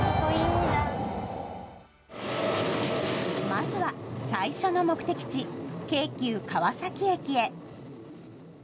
まずは最初の目的地京急川崎駅へ。